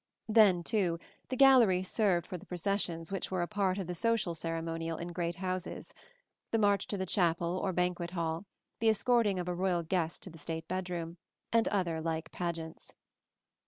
Then, too, the gallery served for the processions which were a part of the social ceremonial in great houses: the march to the chapel or banquet hall, the escorting of a royal guest to the state bedroom, and other like pageants.